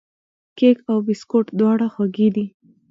کیک او بسکوټ دواړه خوږې دي.